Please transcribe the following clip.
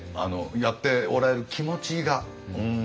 やっておられる気持ちが。